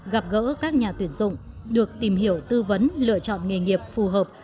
gặp gỡ các nhà tuyển dụng được tìm hiểu tư vấn lựa chọn nghề nghiệp phù hợp